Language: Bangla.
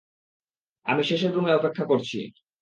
আমি শেষের রুমে অপেক্ষা করছি।